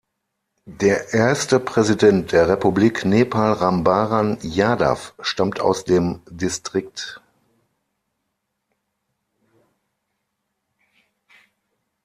Der erste Präsident der Republik Nepal Ram Baran Yadav stammt aus dem Distrikt.